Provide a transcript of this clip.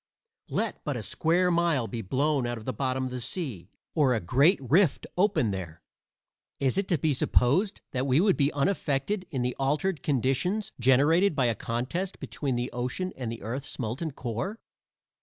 Let but a square mile be blown out of the bottom of the sea, or a great rift open there. Is it to be supposed that we would be unaffected in the altered conditions generated by a contest between the ocean and the earth's molten core?